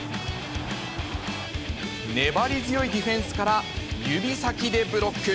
粘り強いディフェンスから指先でブロック。